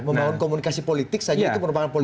membangun komunikasi politik saja itu merupakan politik